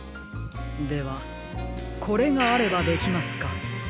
ではこれがあればできますか？